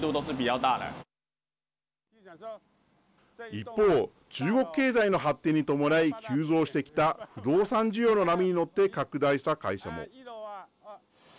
一方、中国経済の発展に伴い急増してきた不動産需要の波に乗って拡大した会社も。